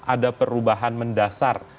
ada perubahan mendasar